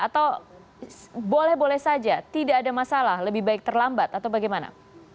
atau boleh boleh saja tidak ada masalah lebih baik terlambat atau bagaimana